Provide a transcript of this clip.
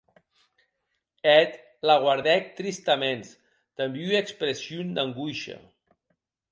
Eth la guardèc tristaments damb ua expression d’angoisha.